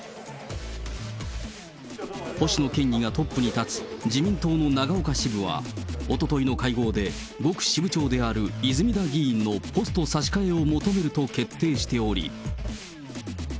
星野県議がトップに立つ自民党の長岡支部は、おとといの会合で５区支部長である泉田議員のポスト差し替えを求めると決定しており。